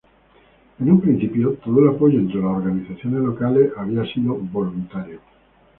En un principio, todo el apoyo entre las organizaciones locales había sido voluntario.